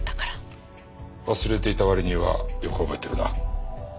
忘れていた割にはよく覚えてるな。